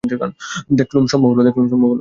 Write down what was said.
দেখলুম সম্ভব হল।